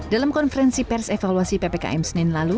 dalam konferensi pers evaluasi ppkm senin lalu